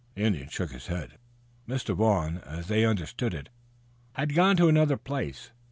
The Indian shook his head. Mr. Vaughn, as they understood it, had gone to another place.